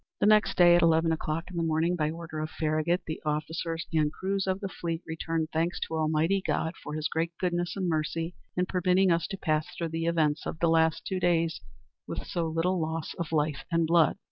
The next day, at eleven o'clock in the morning, by order of Farragut, "the officers and crews of the fleet return thanks to Almighty God for His great goodness and mercy in permitting us to pass through the events of the last two days with so little loss of life and blood."